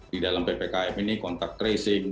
di dalam ppkm ini kontak tracing